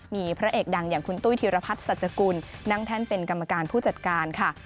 มีพระเอกดังอย่างคุณตุ้ยธีรพัฒน์สัจกุลนั่งแท่นเป็นกรรมการผู้จัดการค่ะ